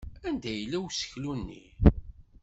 Anda yella useklu-nni?